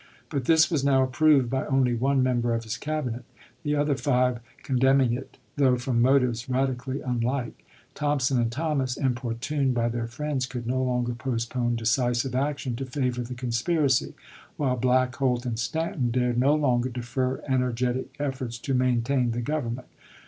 But this was now approved by only one member of his Cabinet; the other five condemn ing it, though from motives radically unlike. Thompson and Thomas, importuned by their friends, could no longer postpone decisive action to favor the conspiracy; while Black, Holt, and Stanton dared no longer defer energetic efforts to maintain the Government.